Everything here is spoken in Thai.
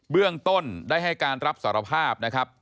เบื้องต้นได้ให้การรับสารภาพนะครับ